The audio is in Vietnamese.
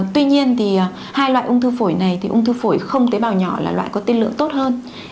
tuy nhiên thì hai loại ung thư phổi này thì ung thư phổi không tế bào nhỏ là loại có tiên lượng tốt hơn